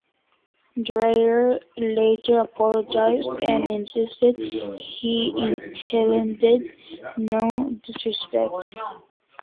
Dreier later apologized and insisted he intended no disrespect.